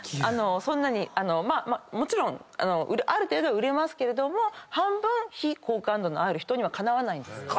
そんなにまあもちろんある程度売れますけれども半分非好感度のある人にはかなわないんです。